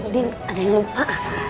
din ada yang lupa